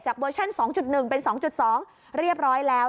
เวอร์ชั่น๒๑เป็น๒๒เรียบร้อยแล้ว